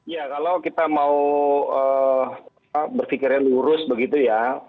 ya kalau kita mau ee bersikirnya lurus begitu ya